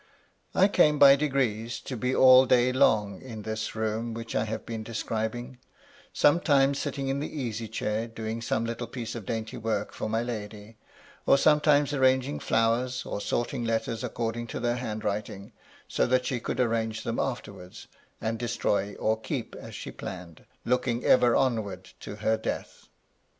I came by degrees to be all day long in this room which I have been describing ; sometimes sitting in the easy chair, doing some little piece of dainty work for my lady, or sometimes arranging flowers, or sorting letters according to their handwriting, so that she could arrange them afterwards, and destroy or keep, as she planned, looking ever onward to her death.